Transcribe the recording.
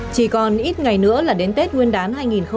chỉ còn ít ngày nữa là đến tết nguyên đán hai nghìn hai mươi